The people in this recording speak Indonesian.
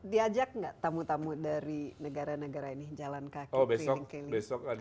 diajak nggak tamu tamu dari negara negara ini jalan kaki keliling keliling